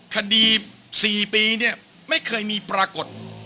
คดี๔ปีเนี่ยไม่เคยมีปรากฏ